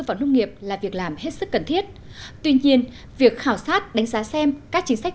vào nông nghiệp là việc làm hết sức cần thiết tuy nhiên việc khảo sát đánh giá xem các chính sách